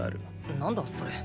何だそれ？